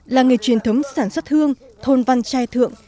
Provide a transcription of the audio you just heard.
làng nghề truyền thống sản xuất hương thôn văn trai thượng